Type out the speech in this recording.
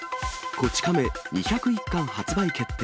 こち亀２０１巻発売決定。